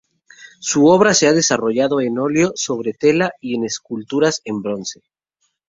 Su obra se ha desarrollado en óleo sobre tela y en esculturas en bronce.